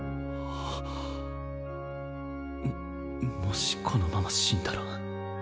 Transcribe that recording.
ももしこのまま死んだら